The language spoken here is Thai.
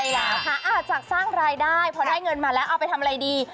ใช่แหร่อาจจะสร้างรายได้เพราะได้เงินมาแล้วเอาไปทำอะไรดี